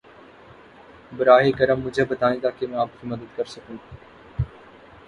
براہ کرم مجھے بتائیں تاکہ میں آپ کی مدد کر سکوں۔